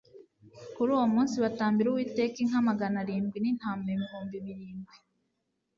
Kuri uwo munsi batambira Uwiteka inka magana arindwi nintama ibihumbi birindwi